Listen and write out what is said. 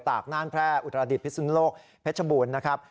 อย่างฝากน่านแพร่อุตรดิสพิษรุนโลกเพชบูรณ์นะครับ